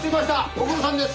ご苦労さんです。